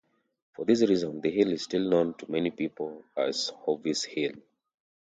For this reason, the hill is still known to many people as "Hovis Hill".